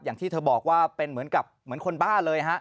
อย่างที่เธอบอกว่าเป็นเหมือนกับเหมือนคนบ้าเลยฮะ